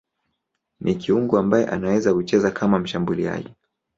Ni kiungo ambaye anaweza kucheza kama mshambuliaji.